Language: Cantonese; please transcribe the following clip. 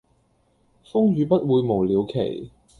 風雨不會沒了期